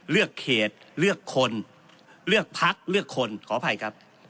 เลือกเขตเลือกคนเลือกพักเลือกคนขออภัยครับ